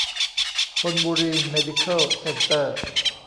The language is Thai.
ธนบุรี เมดิเคิล เซ็นเตอร์